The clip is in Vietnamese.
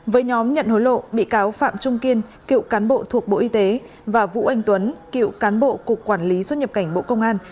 với nhóm nhận hối lộ bị cáo phạm trung kiên cựu cán bộ thuộc bộ y tế và vũ anh tuấn cựu cán bộ cục quản lý xuất nhập cảnh bộ công an